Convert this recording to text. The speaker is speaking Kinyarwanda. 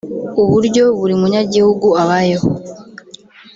uburyo buri munyagihugu abayeho